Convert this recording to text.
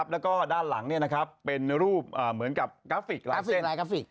แล้วก็ด้านหลังเป็นรูปเหมือนกับกราฟิกหลายกราฟิก